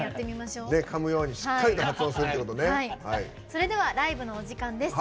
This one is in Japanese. それではライブのお時間です。